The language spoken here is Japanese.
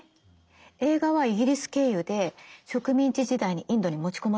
映画はイギリス経由で植民地時代にインドに持ち込まれたの。